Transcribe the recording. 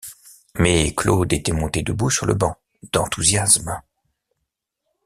Mais Claude était monté debout sur le banc, d’enthousiasme.